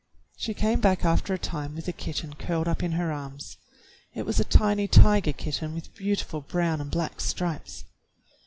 She came back after a time with the kitten curled up in her arms. It was a tiny tiger kitten with beauti ful brown and black stripes.